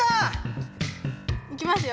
いきますよ。